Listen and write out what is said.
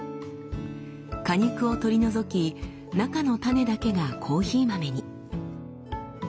果肉を取り除き中の種だけがコーヒー豆に。